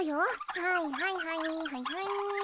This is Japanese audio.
はいはいはいはいはい。